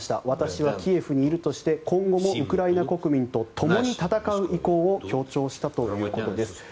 私はキエフにいるとして今後もウクライナ国民とともに戦う意向を強調したということです。